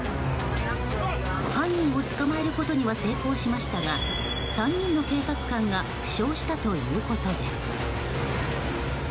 犯人を捕まえることには成功しましたが３人の警察官が負傷したということです。